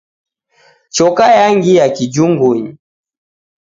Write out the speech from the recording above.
Choka yangia kijungunyi.